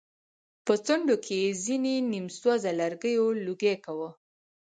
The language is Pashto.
په څنډو کې يې ځېنو نيم سوزه لرګيو لوګی کوه.